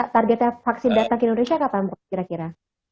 targetnya vaksin data indonesia kapan kira kira